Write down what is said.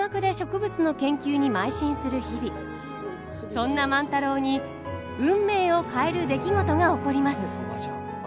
そんな万太郎に運命を変える出来事が起こります。